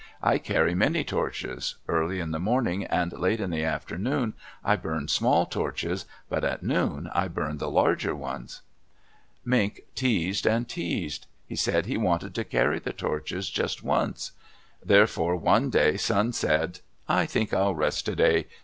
I carry many torches. Early in the morning and late in the afternoon I burn small torches; but at noon I burn the larger ones." Mink teased and teased. He said he wanted to carry the torches just once. Therefore one day Sun said, "I think I'll rest today.